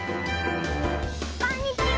こんにちは！